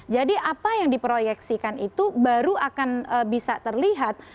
jadi apa yang diproyeksikan itu baru akan bisa terlihat